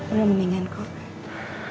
udah mendingan kok